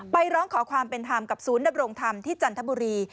ร้องขอความเป็นธรรมกับศูนย์ดำรงธรรมที่จันทบุรี